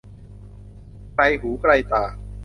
ไกลหูไกลตา